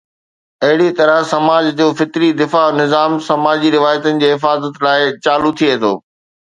اهڙي طرح سماج جو فطري دفاعي نظام سماجي روايتن جي حفاظت لاءِ چالو ٿئي ٿو.